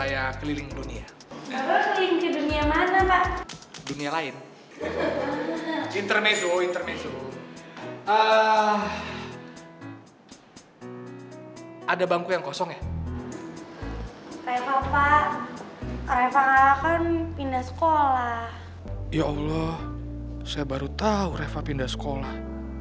ya allah saya baru tahu reva pindah sekolah